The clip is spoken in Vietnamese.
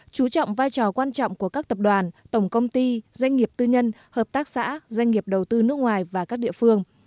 chú trọng vai trò quan trọng của các tập đoàn tổng công ty doanh nghiệp tư nhân hợp tác xã doanh nghiệp đầu tư nước ngoài và các địa phương